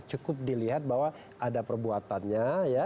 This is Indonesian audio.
cukup dilihat bahwa ada perbuatannya ya